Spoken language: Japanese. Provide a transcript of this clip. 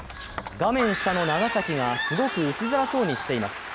画面下の長崎がすごく打ちづらそうにしています。